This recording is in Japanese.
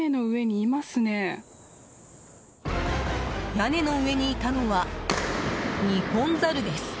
屋根の上にいたのはニホンザルです。